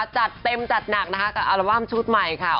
จัดเต็มจัดหนักนะคะกับอัลบั้มชุดใหม่ค่ะ